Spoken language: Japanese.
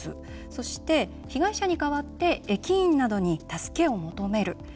そして、被害者に代わって駅員などに助けを求める。